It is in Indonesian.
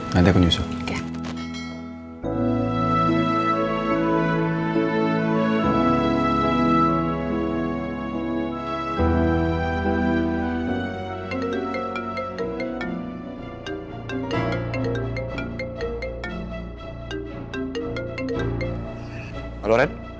nanti aku nyusul